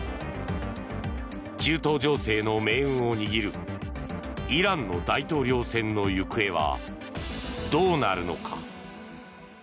中東情勢の命運を握るイランの大統領選の行方はどうなるのか。